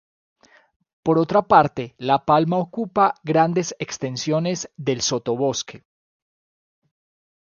Por otra parte, la palma ocupa grandes extensiones del sotobosque.